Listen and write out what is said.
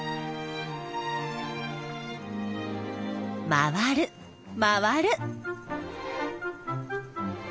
回る回る。